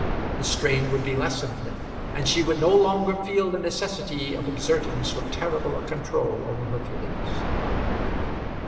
The strain would be lessened, and she would no longer feel the necessity of exerting so terrible a control over her feelings.